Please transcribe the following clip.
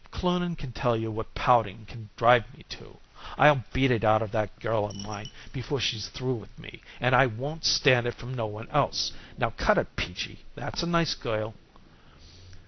Cloonan can tell you what pouting can drive me to. I'll beat it out of that girl of mine before she's through with me, and I won't stand it from no one else. Now cut it, Peachy, that's a nice girl."